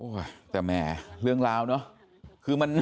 โอ้ยแต่แม่เรื่องราวเนอะ